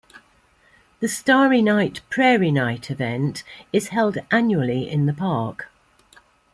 The Starry Night, Prairie Night event is held annually in the park.